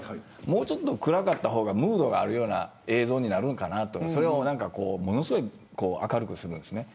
もうちょっと暗かった方がムードがあるような映像になるのかなとかそれをものすごい明るくするんですね。